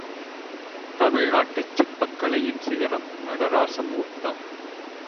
தமிழ்நாட்டுச் சிற்பக் கலையின் சிகரம் நடராஜ மூர்த்தம்.